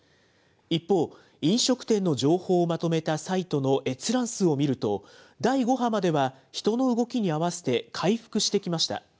一方、飲食店の情報をまとめたサイトの閲覧数を見ると、第５波までは人の動きに合わせて、回復してきました。